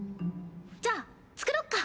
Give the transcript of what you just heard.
じゃあ作ろっか。